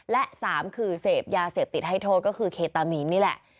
๓เสียบยาเสียบติดให้โทษก็คือเคตามีนนี่แหละ